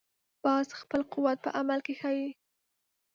باز خپل قوت په عمل کې ښيي